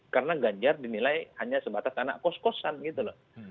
karena ganjar dinilai hanya sebatas anak kos kosan gitu loh